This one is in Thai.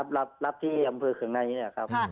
ครับรับที่อำเภอเคืองในเนี่ยครับ